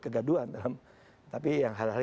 kegaduan tapi yang hal hal